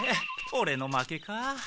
オレの負けかあ。